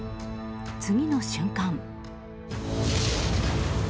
次の瞬間。